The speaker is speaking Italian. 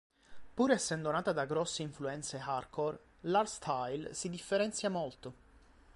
Pur essendo nata da grosse influenze hardcore, l'hardstyle si differenzia molto.